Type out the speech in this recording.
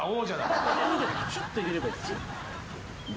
ちょっと入れればいいですね。